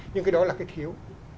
nhưng cái đó là cái thiếu